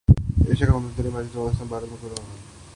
Asia cup کے اہم ترین میچ میں پاکستان اور بھارت مد مقابل